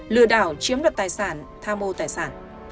lừa đảo chiếm đặt tài sản tha mô tài sản